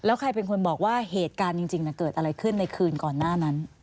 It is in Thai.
แล้วใครเป็นคนบอกว่าเหตุการณ์จริงเกิดอะไรขึ้นในคืนก่อนหน้านั้น